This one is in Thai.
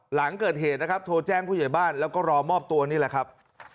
หลังเกิดเหตุนะครับโทรแจ้งผู้ใหญ่บ้านแล้วก็รอมอบตัวนี่แหละครับ